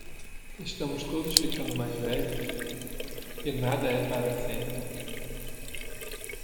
Estamos todos ficando mais velhos? e nada é para sempre.